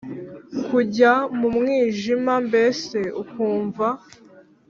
kujya kumwinja mbese ukumva